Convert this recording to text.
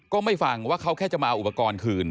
ก็ไม่ฟังว่าเขาแค่จะมาเอาอุปกรณ์คืน